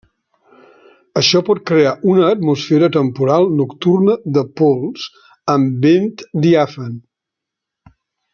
Això pot crear una atmosfera temporal nocturna de pols amb vent diàfan.